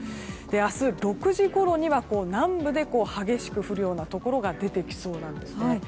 明日６時ごろには南部で激しく降るようなところが出てきそうなんですね。